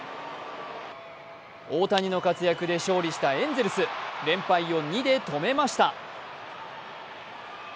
大谷の活躍で勝利したエンゼルス、連敗を２で止めました。